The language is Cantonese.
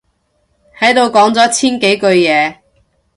喺度講咗千幾句嘢